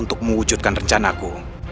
untuk mewujudkan rencanaku